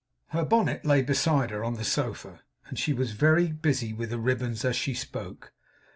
Her bonnet lay beside her on the sofa, and she was very busy with the ribbons as she spoke.